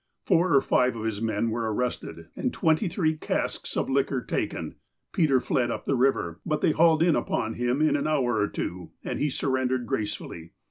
Four or five of his men were arrested, and twenty three casks of liquor taken. Peter fled up the river, but they hauled in upon him in an hour or two, and he surrendered gracefully.